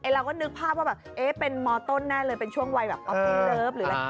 เราก็นึกภาพว่าแบบเอ๊ะเป็นมต้นแน่เลยเป็นช่วงวัยแบบออฟฟิลเลิฟหรืออะไร